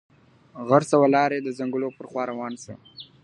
غرڅه ولاړی د ځنګله پر خوا روان سو .